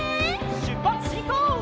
しゅっぱつしんこう！